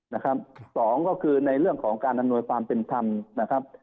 นะครับสองก็คือในเรื่องของการอำนวยความเป็นธรรมนะครับ